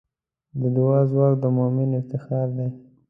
د دعا ځواک د مؤمن افتخار دی.